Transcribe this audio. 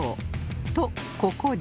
とここで